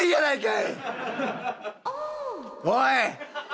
おい！